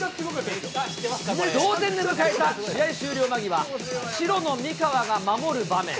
同点で迎えた試合終了間際、白の三河が守る場面。